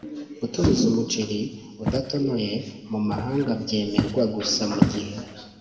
Gutumiza umuceri udatonoye mu mahanga byemerwa gusa mu gihe